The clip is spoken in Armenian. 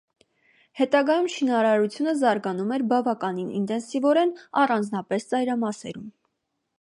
Հետագայում շինարարությունը զարգանում էր բավական ինտենսիվորեն, առանձնապես ծայրամասերում։